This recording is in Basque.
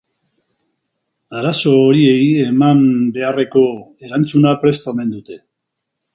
Arazo horiei eman beharreko erantzuna prest omen dute.